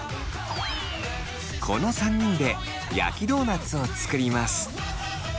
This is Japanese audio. この３人で焼きドーナツを作ります。